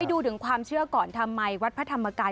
ดูถึงความเชื่อก่อนทำไมวัดพระธรรมกาย